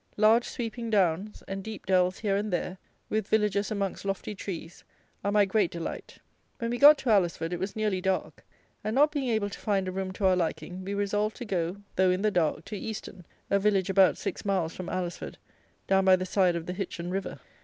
Large sweeping downs, and deep dells here and there, with villages amongst lofty trees, are my great delight. When we got to Alresford it was nearly dark, and not being able to find a room to our liking, we resolved to go, though in the dark, to Easton, a village about six miles from Alresford down by the side of the Hichen River.